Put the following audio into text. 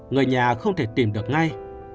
người nhà không thể tìm được ngay